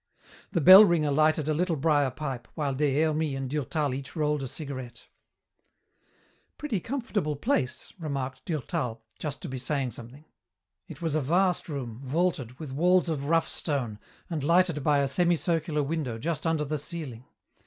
The bell ringer lighted a little briar pipe, while Des Hermies and Durtal each rolled a cigarette. "Pretty comfortable place," remarked Durtal, just to be saying something. It was a vast room, vaulted, with walls of rough stone, and lighted by a semi circular window just under the ceiling.